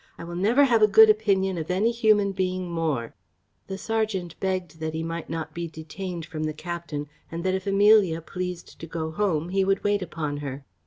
I will never have a good opinion of any human being more." The serjeant begged that he might not be detained from the captain; and that, if Amelia pleased to go home, he would wait upon her.